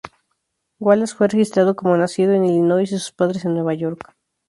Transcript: Wallace fue registrado como nacido en Illinois y sus padres en Nueva York.